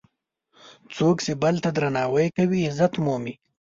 څوک چې بل ته درناوی کوي، عزت مومي.